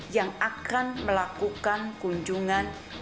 yang akan melakukan kunjungan ke jokowi